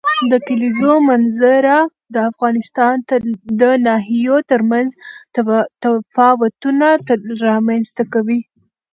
د کلیزو منظره د افغانستان د ناحیو ترمنځ تفاوتونه رامنځ ته کوي.